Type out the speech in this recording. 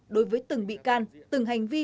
đối với từng bị can từng hành vi